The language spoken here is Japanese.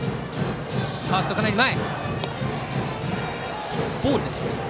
ファースト、かなり前。